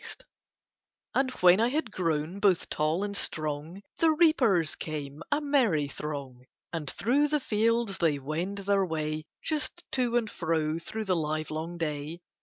And when I had grown both tall and strong The reapers came a merry throng And through the fields they wend their way, Just to and fro through the livelong day.